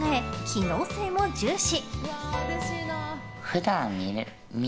機能性も重視！